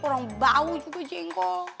orang bau juga jengkol